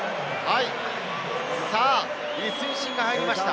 李承信が入りました。